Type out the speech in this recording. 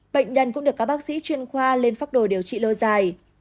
bệnh nhân cũng được các bác sĩ chuyên khoa lên phác đồ điều trị lâu dài